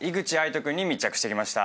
仁君に密着してきました。